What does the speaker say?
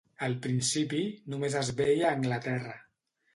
Al principi només es veia a Anglaterra.